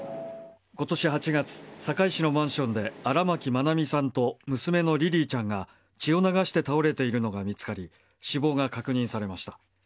今年８月、堺市のマンションで荒牧愛美さんと娘のリリィちゃんが血を流して倒れているのが見つかり死亡が確認されました。